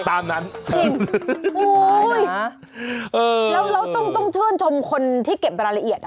จริงโอ้ยแล้วเราต้องชื่นชมคนที่เก็บรายละเอียด